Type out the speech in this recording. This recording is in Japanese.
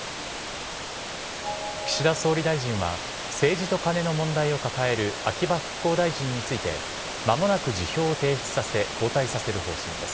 岸田総理大臣は、政治とカネの問題を抱える秋葉復興大臣について、まもなく辞表を提出させ、交代させる方針です。